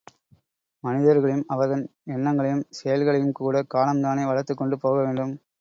மனிதர்களையும் அவர்தம் எண்ணங்களையும் செயல்களையும்கூடக் காலம்தானே வளர்த்துக்கொண்டு போகவேண்டும்?